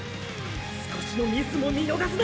少しのミスも見逃すな！